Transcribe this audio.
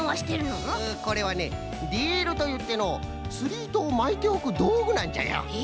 これはねリールといってのうつりいとをまいておくどうぐなんじゃよ。へえ。